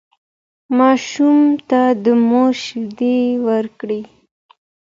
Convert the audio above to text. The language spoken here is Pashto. ماشوم ته د مور شیدې ورکړئ.